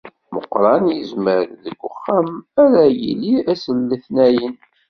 Meqqran yezmer deg uxxam ara yili ass n letnayen.